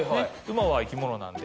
馬は生き物なんで。